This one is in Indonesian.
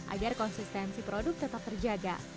agar konsistensi produk tetap terjaga